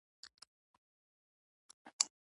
بېرته په کټوې کې په څمڅۍ وهلو اخته شو.